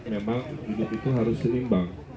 memang hidup itu harus seimbang